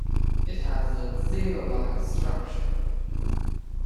It has the zeolite structure.